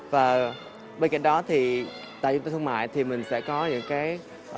và bên cạnh đó thì tại trung tâm thương mại thì mình sẽ có những cái